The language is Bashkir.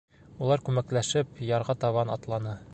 Улар күмәкләшеп ярға табан атланы.